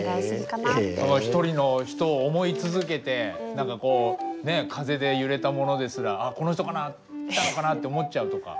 ひとりの人を想い続けて何かこうね風で揺れたものですら「あっこの人かな来たのかな？」って思っちゃうとか。